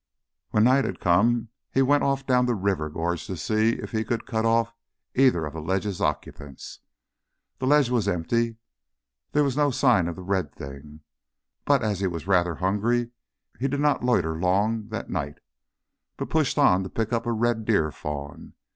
When night had come he went off down the river gorge to see if he could cut off either of the ledge's occupants. The ledge was empty, there were no signs of the red thing, but as he was rather hungry he did not loiter long that night, but pushed on to pick up a red deer fawn.